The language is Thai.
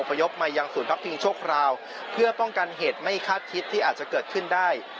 พยพมายังศูนย์พักพิงชั่วคราวเพื่อป้องกันเหตุไม่คาดคิดที่อาจจะเกิดขึ้นได้